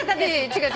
違う。